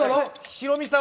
ヒロミさん？